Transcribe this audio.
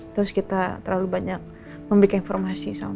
terus kita terlalu banyak memberikan informasi sama mas al